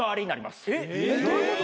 どういうこと？